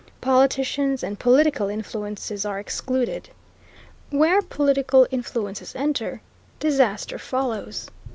Politicians and political influences are excluded. Where political influences enter disaster follows.